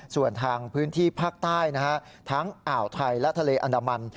ส่วนทางพื้นที่ภาคใต้ทั้งอ่าวไทยและทะเลอันดามัน